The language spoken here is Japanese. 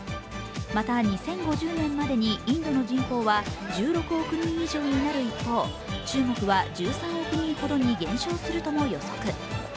また、２０５０年までにインドの人口は１６億人以上になる一方、中国は１３億人ほどに減少するとも予測。